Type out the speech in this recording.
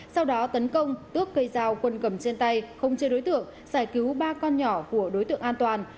sau đó tấn công tước cây dao quân cầm trên tay không chê đối tượng giải cứu ba con nhỏ của đối tượng an toàn